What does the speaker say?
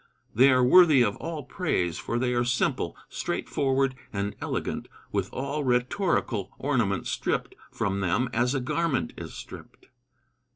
"They are worthy of all praise, for they are simple, straightforward and elegant, with all rhetorical ornament stripped from them as a garment is stripped."